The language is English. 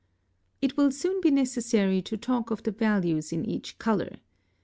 It will soon be necessary to talk of the values in each color.